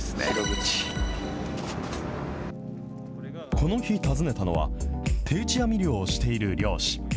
この日訪ねたのは、定置網漁をしている漁師。